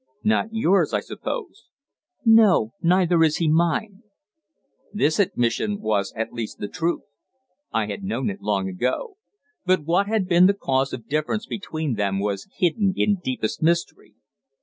"Nor yours, I suppose?" "No, neither is he mine." This admission was at least the truth. I had known it long ago. But what had been the cause of difference between them was hidden in deepest mystery.